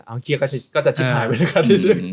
เอาไงก็จะชิคกี้พายไว้ด้วยกัน